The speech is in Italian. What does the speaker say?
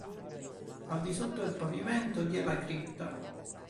Al di sotto del pavimento vi è la cripta.